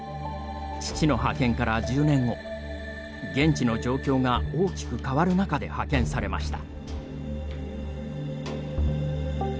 父の派遣から１０年後現地の状況が大きく変わる中で派遣されました。